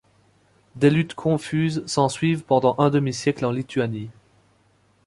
Des luttes confuses s’ensuivent pendant un demi-siècle en Lituanie.